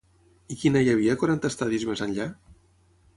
I quina hi havia quaranta estadis més enllà?